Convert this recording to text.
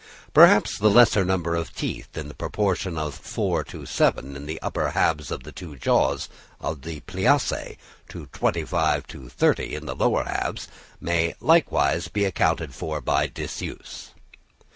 Perhaps the lesser number of teeth in the proportion of four to seven in the upper halves of the two jaws of the plaice, to twenty five to thirty in the lower halves, may likewise be accounted for by disuse.